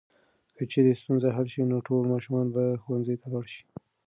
که چېرې ستونزې حل شي نو ټول ماشومان به ښوونځي ته لاړ شي.